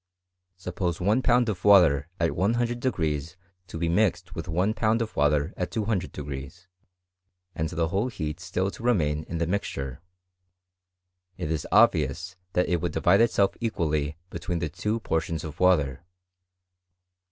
Suppose one pound of water at lOO* to be mixed with one pound of water at 200% and the whole heat still to remain in the mixture, it is obvioim that it would divide. itself equally between the two portions of water.